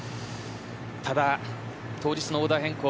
ただ、当日のオーダー変更。